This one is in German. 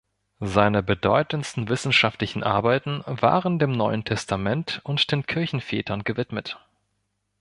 Seine bedeutendsten wissenschaftlichen Arbeiten waren dem Neuen Testament und den Kirchenvätern gewidmet.